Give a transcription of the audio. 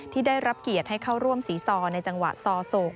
ที่ได้รับเกียรติให้เข้าร่วมสีซอในจังหวะซอโศก